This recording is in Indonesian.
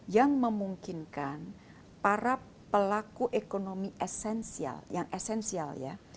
yang memungkinkan para pelaku ekonomi esensial yang esensial ya